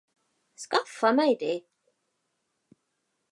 Skaffa mig det!